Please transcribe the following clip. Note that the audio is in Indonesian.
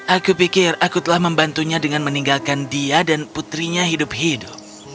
aku pikir aku telah membantunya dengan meninggalkan dia dan putrinya hidup hidup